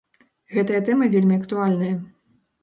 Гэтая тэма вельмі актуальная.